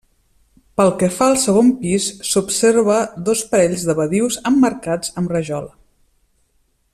Pel que fa al segon pis, s’observa dos parells de badius emmarcats amb rajola.